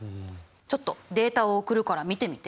ちょっとデータを送るから見てみて。